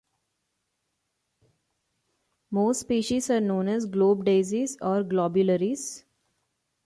Most species are known as globe daisies or globularias.